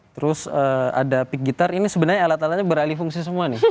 terus ada peak gitar ini sebenarnya alat alatnya beralih fungsi semua nih